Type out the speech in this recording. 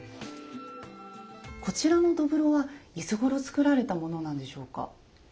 こちらの土風炉はいつごろ作られたものなんでしょうか？